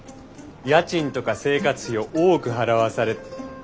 家賃とか生活費を多く払わされ。